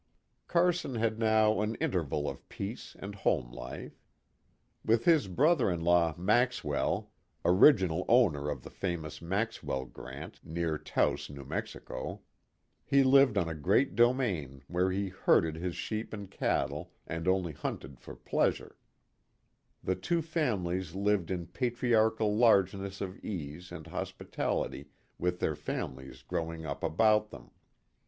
Carson had now an interval of peace and home life. With his brother in law Maxwell * he lived on a great domain where he herded his sheep and cattle and only hunted for pleasure. The two families lived in patriarchal largeness of ease and hospitality with their families grow ing up about them.